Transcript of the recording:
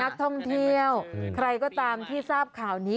นักท่องเที่ยวใครก็ตามที่ทราบข่าวนี้